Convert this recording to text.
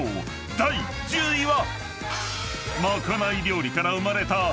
第１０位は。